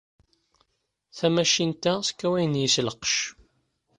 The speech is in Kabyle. Tamacint-a sskawayen syes lqecc.